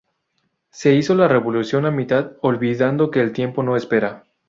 Se hizo la revolución a mitad, olvidando que el tiempo no espera.